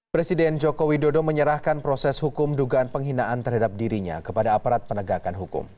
presiden joko widodo menyerahkan proses hukum dugaan penghinaan terhadap dirinya kepada aparat penegakan hukum